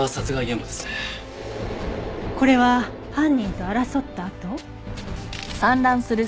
これは犯人と争った跡？